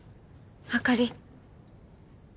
あかり。